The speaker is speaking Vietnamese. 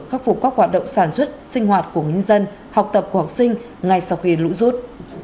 khắc phục các hoạt động sản xuất sinh hoạt của nhân dân học tập của học sinh ngay sau khi lũ rút